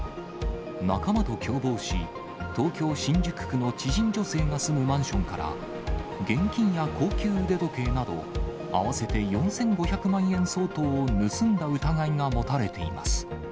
仲間と共謀し、東京・新宿区の知人女性が住むマンションから、現金や高級腕時計など、合わせて４５００万円相当を盗んだ疑いが持たれています。